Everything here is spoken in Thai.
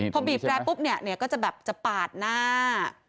พอบีบแรร์ปุ๊บเนี่ยก็จะแบบจะปาดหน้า